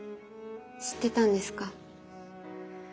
知ってたんですか？